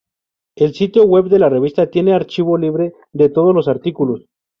El sitio web de la revista tiene archivo libre de todos los artículos.